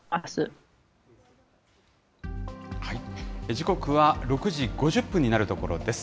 時刻は６時５０分になるところです。